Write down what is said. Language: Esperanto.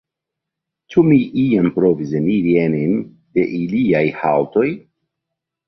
Ĉu mi iam provis eniri enen de iliaj haŭtoj?